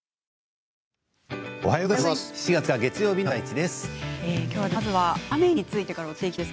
７月５日月曜日の「あさイチ」です。